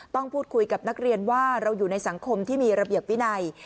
ต้องพูดคุยกับนักเรียนว่าเราอยู่ในสังคมที่มีระเบียบวินัย